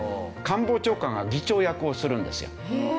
官房長官が議長役をするんですよ。へえ！